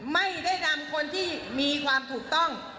ไม่ได้นำคนที่มีความถูกต้อง